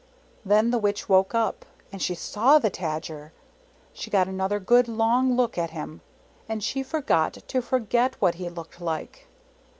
Then the Witch woke up, and she saw the Tajer. She got another good, long look at him, and she forgot to forget what he looked like.